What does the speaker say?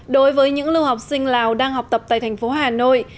đối với những lưu học sinh lào đang học tập tại thành phố hà nội